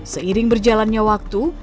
seiring berjalannya waktu